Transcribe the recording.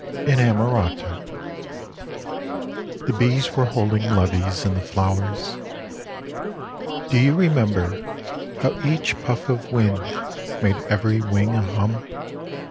INAMORATA The bees were holding levees in the flowers, Do you remember how each puff of wind Made every wing a hum?